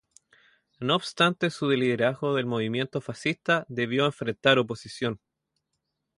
No obstante su liderazgo del movimiento fascista debió enfrentar oposición.